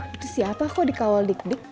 itu siapa kok dikawal digdig